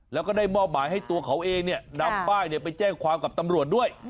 แล้วก็ได้มอบหมายให้ตัวเขาเองนำป้ายไปแจ้งความกับตำรวจด้วย